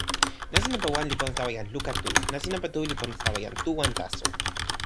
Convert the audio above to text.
nasin nanpa wan li pona tawa jan luka tu. nasin nanpa tu li pona tawa jan tu wan taso.